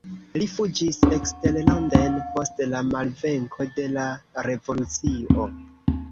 Li fuĝis eksterlanden post la malvenko de la revolucio.